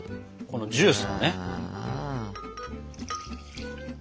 このジュースもね。